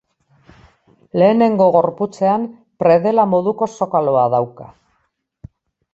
Lehenengo gorputzean predela moduko zokaloa dauka.